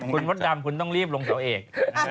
คุณพ่อดำคุณต้องรีบลงเสาเอก